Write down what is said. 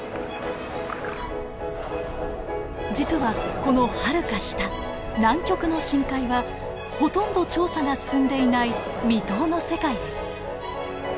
実はこのはるか下南極の深海はほとんど調査が進んでいない未踏の世界です。